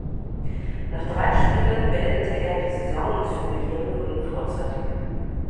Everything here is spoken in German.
Nach drei Spielen beendete er die Saison aus familiären Gründen vorzeitig.